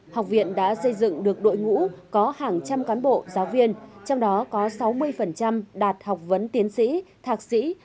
học viện đã xây dựng được đội ngũ có hàng trăm cán bộ giáo viên trong đó có sáu mươi đạt học vấn tiến sĩ thạc sĩ